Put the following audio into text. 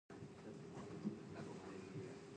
广东人吃福建人！